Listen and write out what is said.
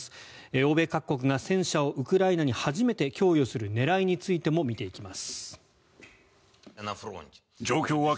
欧米各国が戦車をウクライナに初めて供与する狙いについても見ていきます。